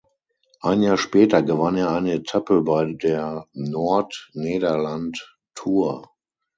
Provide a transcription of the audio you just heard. Ein Jahr später gewann er eine Etappe bei der Noord-Nederland Tour.